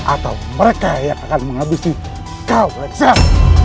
atau mereka yang akan menghabisi kau lexer